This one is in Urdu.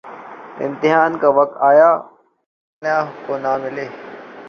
امتحان کا وقت آیا‘ ملنے کو نہ ملے۔